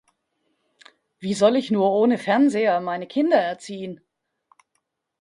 Wie soll ich nur ohne Fernseher meine Kinder erziehen?